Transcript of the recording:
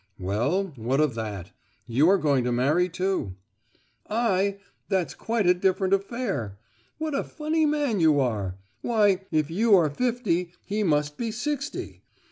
"Well, what of that? You are going to marry, too!" "I! That's quite a different affair! What a funny man you are! Why, if you are fifty, he must be sixty!